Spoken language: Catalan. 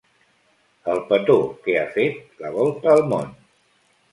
El petó que ha fet la volta al món.